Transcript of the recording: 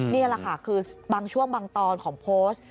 นี่แหละค่ะคือบางช่วงบางตอนของโพสต์